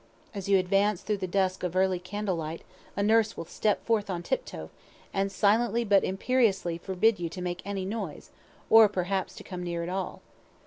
As you advance through the dusk of early candle light, a nurse will step forth on tip toe, and silently but imperiously forbid you to make any noise, or perhaps to come near at all.